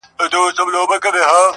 د خدای قدرت دی